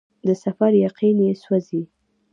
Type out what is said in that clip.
د سفر یقین یې سوزي